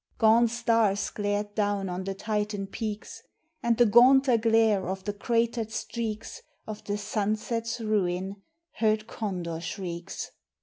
Gaunt stars glared down on the Titan peaks; And the gaunter glare of the cratered streaks Of the sunset's ruin heard condor shrieks.